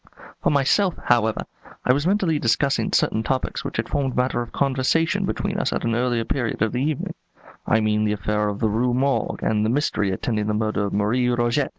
For myself, however, I was mentally discussing certain topics which had formed matter for conversation between us at an earlier period of the evening; I mean the affair of the Rue Morgue and the mystery attending the murder of Marie Roget.